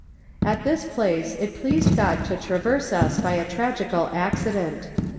At this place it pleased God to traverse us by a tragical accident.